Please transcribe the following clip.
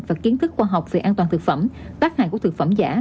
và kiến thức khoa học về an toàn thực phẩm tác hại của thực phẩm giả